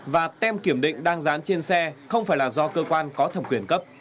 và tem kiểm định đang dán trên xe không phải là do cơ quan có thẩm quyền cấp